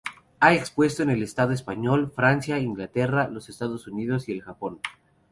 Ha expuesto en el Estado español, Francia, Inglaterra, los Estados Unidos y el Japón.